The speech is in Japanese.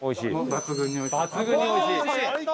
抜群においしい？